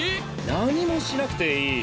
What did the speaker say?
何もしなくていい。